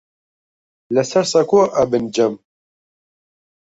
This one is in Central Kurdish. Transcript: لەسەر سەکۆ ئەبن جەم